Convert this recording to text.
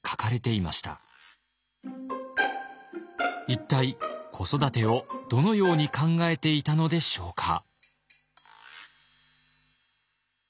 一体子育てをどのように考えていたのでしょうか。